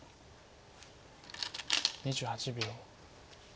２８秒。